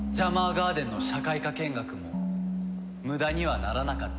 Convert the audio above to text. ガーデンの社会科見学も無駄にはならなかったよ。